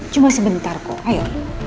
cuma sebentar kok ayo